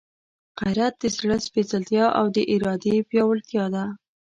غیرت د زړه سپېڅلتیا او د ارادې پیاوړتیا ده.